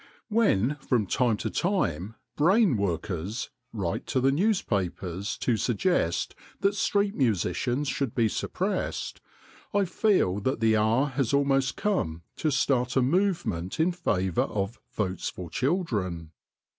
When from time to time " brain workers J> write to the newspapers to suggest that street musicians should be suppressed I feel STREET ORGANS 149 that the hour has almost come to start a movement in favour of Votes for Children.